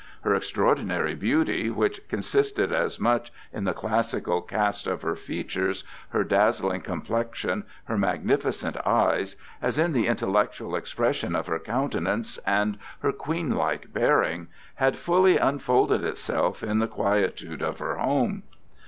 Her extraordinary beauty, which consisted as much in the classical cast of her features, her dazzling complexion, her magnificent eyes, as in the intellectual expression of her countenance and her queenlike bearing, had fully unfolded itself in the quietude of her home.